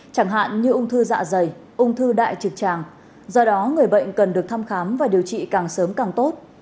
chẳng hạn như ung thư dạ dày ung thư đại trực tràng do đó người bệnh cần được thăm khám và điều trị càng sớm càng tốt